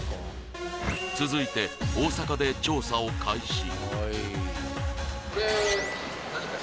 続いて大阪で調査を開始